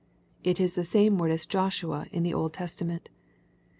It is the same word as "Joshua" in the Old Testament.